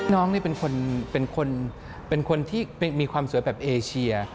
น้องนี่เป็นคนที่มีความสวยแบบเอเชีย